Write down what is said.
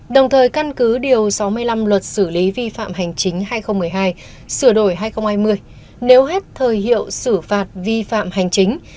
đồng thời căn cứ điều sáu mươi năm luật xử lý vi phạm hành chính hai nghìn một mươi hai sửa đổi hai nghìn hai mươi nếu hết thời hiệu xử phạt vi phạm hành chính